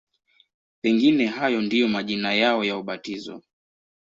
Pengine hayo ndiyo majina yao ya ubatizo.